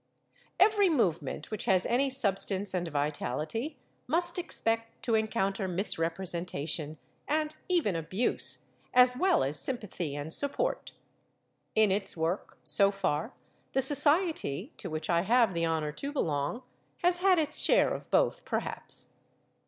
Every movement which has any substance and vitality must expect to encounter misrepresentation, and even abuse, as well as sympathy and support. In its work, so far, the Society to which I have the honour to belong has had its share of both, perhaps.